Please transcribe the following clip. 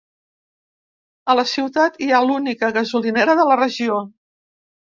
A la ciutat hi ha l'única gasolinera de la regió.